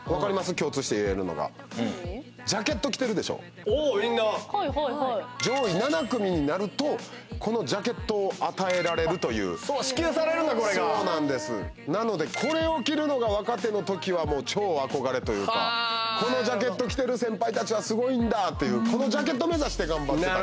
共通していえるのがおおみんな上位７組になるとこのジャケットを与えられるという支給されるんだこれがなのでこれを着るのが若手のときは超憧れというかこのジャケット着てる先輩たちはすごいんだっていうこのジャケット目指して頑張ってた